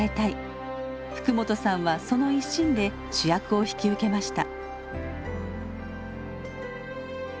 福本さんはその一心で主役を引き受けました。